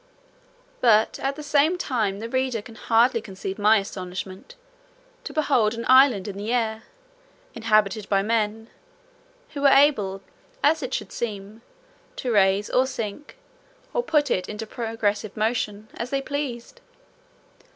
But at the same time the reader can hardly conceive my astonishment, to behold an island in the air, inhabited by men, who were able (as it should seem) to raise or sink, or put it into progressive motion, as they pleased.